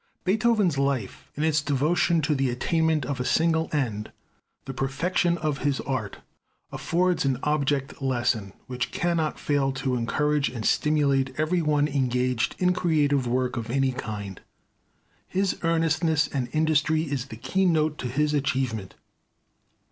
Beethoven's life in its devotion to the attainment of a single end, the perfection of his art, affords an object lesson, which cannot fail to encourage and stimulate every one engaged in creative work of any kind. His earnestness and industry is the key note to his achievement.